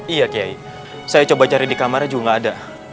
iya kiai saya coba cari di kamarnya juga nggak ada